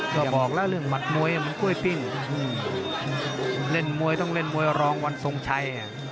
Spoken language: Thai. ก็บอกแล้วเรื่องหมัดมวยมันกล้วยปิ้งเล่นมวยต้องเล่นมวยรองวันทรงชัย